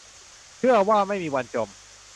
เชื่อว่าไม่มีวันจม